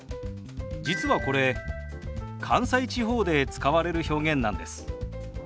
実はこれ関西地方で使われる表現なんです。